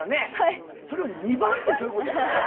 それを２番ってどういうこと？